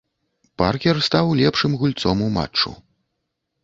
Паркер стаў лепшым гульцом ў матчу.